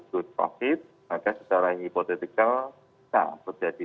dan juga covid sembilan belas maka secara hipotetikal tidak terjadi